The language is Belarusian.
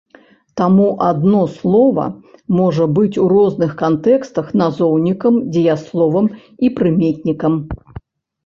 Таму адно слова можа быць у розных кантэкстах назоўнікам, дзеясловам і прыметнікам.